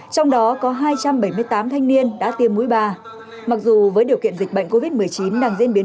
trong đó có hai trăm bảy mươi tám thanh niên đã tiêm mũi ba mặc dù với điều kiện dịch bệnh covid một mươi chín đang diễn biến